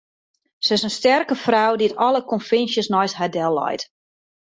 Sy is in sterke frou dy't alle konvinsjes neist har delleit.